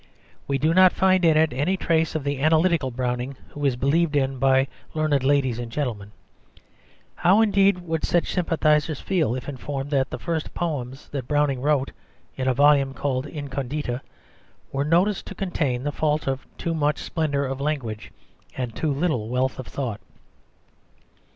We do not find in it any trace of the analytical Browning who is believed in by learned ladies and gentlemen. How indeed would such sympathisers feel if informed that the first poems that Browning wrote in a volume called Incondita were noticed to contain the fault of "too much splendour of language and too little wealth of thought"?